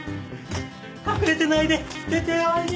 隠れてないで出ておいで！